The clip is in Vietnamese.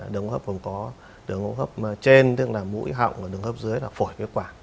đường hô hấp có đường hô hấp trên tức là mũi họng đường hô hấp dưới là phổi với quả